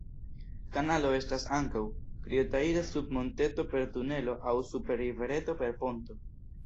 Kanalo estas ankaŭ, kiu trairas sub monteto per tunelo aŭ super rivereto per ponto.